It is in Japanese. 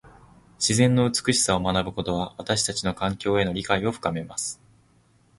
自然の美しさを学ぶことは、私たちの環境への理解を深めます。